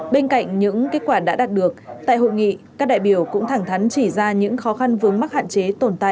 bên cạnh những kết quả đã đạt được tại hội nghị các đại biểu cũng thẳng thắn chỉ ra những khó khăn vướng mắc hạn chế tồn tại